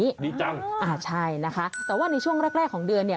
ดีจังอ่าใช่นะคะแต่ว่าในช่วงแรกแรกของเดือนเนี่ย